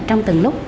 trong từng lúc